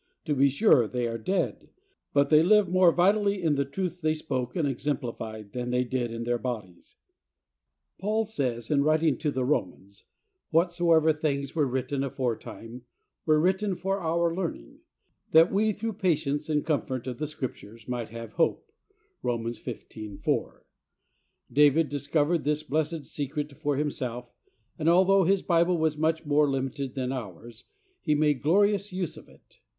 To be sure they are dead, but they live more vitally in the truths they spoke and exemplified than they did in their bodies. Paul says, in writing to the Romans, "Whatsoever things were written aforetime N 178 THE soul winner's secret. were written for our learning; that we through patience and comfort of the Scrip tures might have hope." (Rom. 15: 4), David discovered this blessed secret for him self, and although his Bible was much more limited than ours, he made glorious use of it.